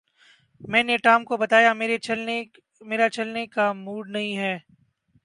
میں نے ٹام کو بتایا میرا چلنے کا موڈ نہیں ہے